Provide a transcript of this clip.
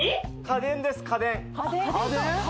家電です家電家電？